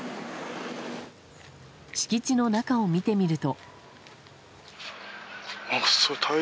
敷地の中を見てみると。